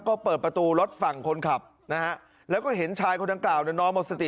ก็เปิดประตูรถฝั่งคนขับนะฮะแล้วก็เห็นชายคนดังกล่าวเนี่ยนอนหมดสติ